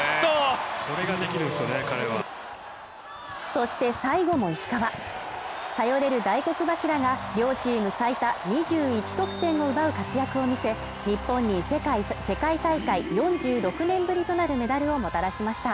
そして最後も石川頼れる大黒柱が両チーム最多２１得点を奪う活躍を見せ日本に世界大会４６年ぶりとなるメダルをもたらしました